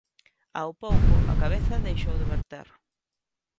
Ao pouco, a cabeza deixou de verter.